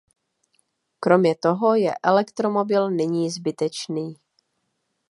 Kromě toho je elektromobil nyní zbytečný.